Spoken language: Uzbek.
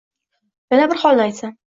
Yana bir holni aytsam.